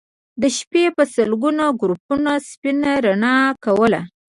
د شپې به سلګونو ګروپونو سپينه رڼا کوله